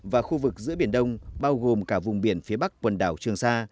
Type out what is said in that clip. và khu vực giữa biển đông bao gồm cả vùng biển phía bắc quần đảo trường sa